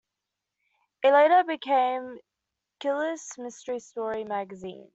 It later became "Killers Mystery Story Magazine".